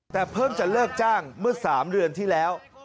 แต่เพิ่งจะเลิกจ้างเมื่อ๓เดือนที่แล้ว